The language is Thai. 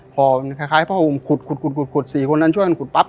พอมันคล้ายผ้าห่มขุด๔คนนั้นช่วยกันขุดปั๊บ